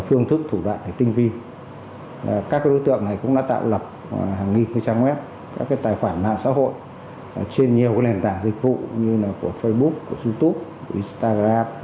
phương thức thủ đoạn tinh vi các đối tượng này cũng đã tạo lập hàng nghìn trang web các tài khoản mạng xã hội trên nhiều nền tảng dịch vụ như facebook youtube instagram